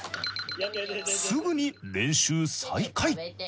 すぐに練習再開。